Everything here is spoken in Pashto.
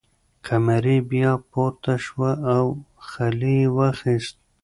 قمري بیا پورته شوه او خلی یې واخیست.